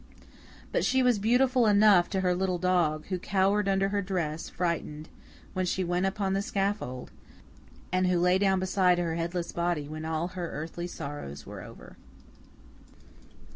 But she was beautiful enough to her little dog, who cowered under her dress, frightened, when she went upon the scaffold, and who lay down beside her headless body when all her earthly sorrows were over.